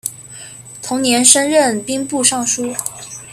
同年升任兵部尚书。